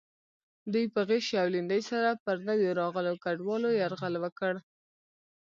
دوی په غشي او لیندۍ سره پر نویو راغلو کډوالو یرغل وکړ.